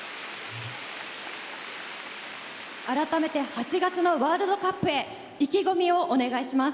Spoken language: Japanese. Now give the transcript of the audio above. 改めて８月のワールドカップへ意気込みをお願いします。